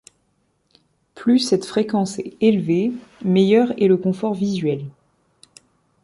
Plus cette fréquence est élevée, meilleur est le confort visuel.